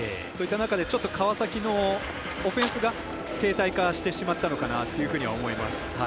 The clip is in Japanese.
そういった中で、ちょっと川崎のオフェンスが停滞化してしまったのかなと思います。